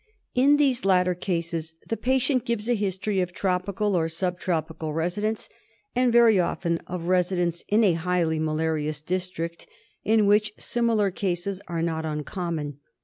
In these latter cases the patient gives a history of tropical or sub tropical residence, and very often of resi dence in a highly malarious district in which similar cases are not uncommon.